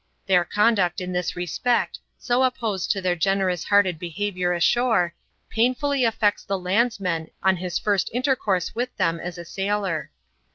Their conduct, in this respect, so opposed to their generous hearted behaviour ashore, painfully affects the lands man on his first intercourse with them as a sailor.